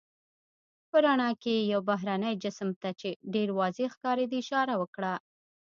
په رڼا کې یې یو بهرني جسم ته، چې ډېر واضح ښکارېده اشاره وکړه.